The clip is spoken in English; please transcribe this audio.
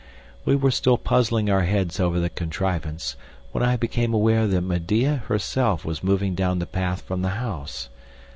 We were still puzzling our heads over the contrivance, when I became aware that Medea herself was moving down the path from the house.